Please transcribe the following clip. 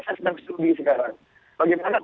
saya sedang studi sekarang